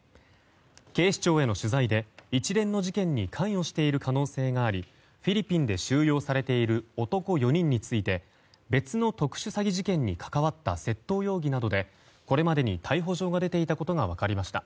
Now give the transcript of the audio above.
警視庁への取材で一連の事件に関与している可能性がありフィリピンで収容されている男４人について別の特殊詐欺事件に関わった窃盗容疑などでこれまでに逮捕状が出ていたことが分かりました。